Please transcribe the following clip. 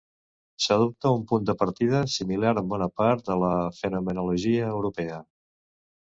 S"adopta un punt de partida similar en bona part de la fenomenologia europea.